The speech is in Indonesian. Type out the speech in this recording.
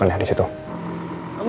siti pandiin ya ga